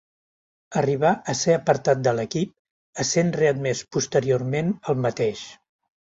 Arribà a ser apartar de l'equip essent readmès posteriorment al mateix.